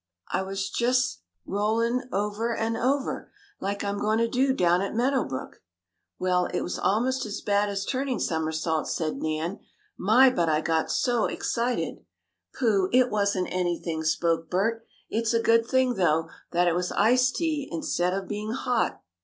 "I was jest rollin' over an' over, like I'm goin' to do down at Meadow Brook." "Well, it was almost as bad as turning somersaults," said Nan. "My, but I got so excited." "Pooh! It wasn't anything," spoke Bert. "It's a good thing, though, that it was iced tea, instead of being hot."